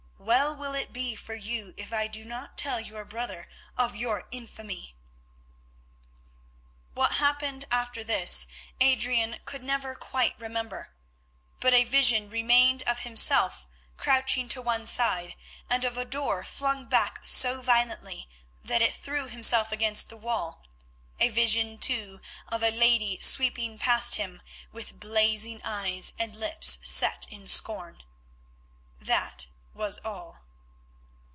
Well will it be for you if I do not tell your brother of your infamy." What happened after this Adrian could never quite remember, but a vision remained of himself crouching to one side, and of a door flung back so violently that it threw him against the wall; a vision, too, of a lady sweeping past him with blazing eyes and lips set in scorn. That was all.